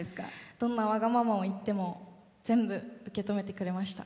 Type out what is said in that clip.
どんなわがままを言っても全部、受け止めてくれました。